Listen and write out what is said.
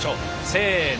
せの。